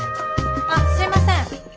あっすみません！